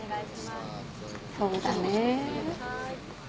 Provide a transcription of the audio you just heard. そうだね。